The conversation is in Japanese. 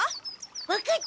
分かった。